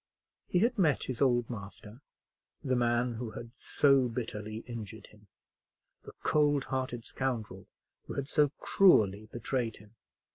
He had met his old master, the man who had so bitterly injured him; the cold hearted scoundrel who had so cruelly betrayed him.